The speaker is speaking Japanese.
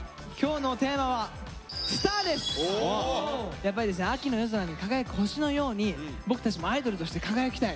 やっぱりですね秋の夜空に輝く星のように僕たちもアイドルとして輝きたい。